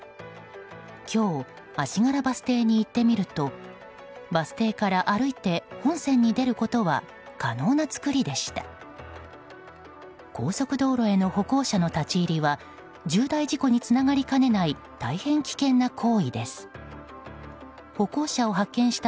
今日、足柄バス停に行ってみるとバス停から歩いて本線に出ることは可能な造りでした。